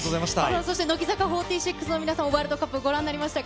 そして乃木坂４６の皆さん、ワールドカップ、ご覧になりましたか？